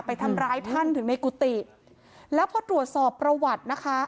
ไปทำร้ายท่านถึงในกุฏิแล้วพอตรวจสอบประวัตินะคะ